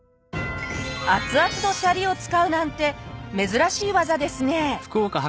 熱々のシャリを使うなんて珍しい技ですね。